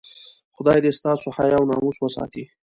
خدای دې ستاسو حیا او ناموس وساتي.